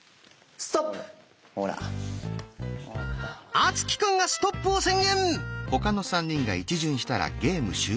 敦貴くんがストップを宣言！